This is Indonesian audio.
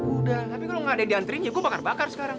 udah tapi kalau nggak ada yang diantriin ya gue bakar bakar sekarang